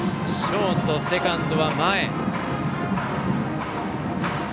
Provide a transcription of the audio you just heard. ショート、セカンドは前。